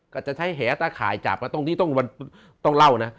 ก็จะใช้แหตะข่ายจับตรงนี้ต้องเล่านะ